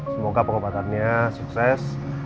semoga pengobatannya sukses